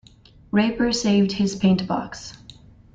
Raper saved his paint box.